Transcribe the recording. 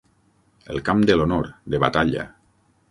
El camp de l'honor, de batalla.